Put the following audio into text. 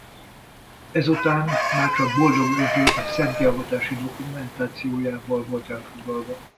Ezután már csak Boldog Özséb szentté avatási dokumentációjával volt elfoglalva.